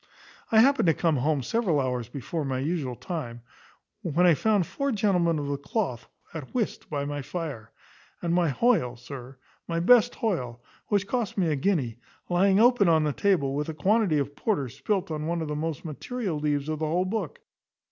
I happened to come home several hours before my usual time, when I found four gentlemen of the cloth at whist by my fire; and my Hoyle, sir my best Hoyle, which cost me a guinea, lying open on the table, with a quantity of porter spilt on one of the most material leaves of the whole book.